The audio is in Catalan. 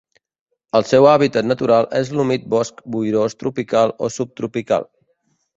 El seu hàbitat natural és l'humit bosc boirós tropical o subtropical.